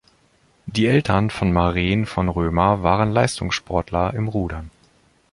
Die Eltern von Mareen von Römer waren Leistungssportler im Rudern.